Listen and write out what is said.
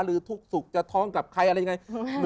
หรือทุกข์สุขจะท้องกับใครอะไรยังไง